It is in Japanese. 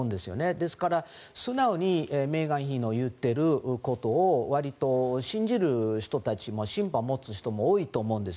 ですから、素直にメーガン妃の言っていることをわりと信じる人たちもシンパを持つ人も多いと思うんです。